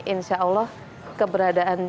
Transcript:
insya allah keberadaan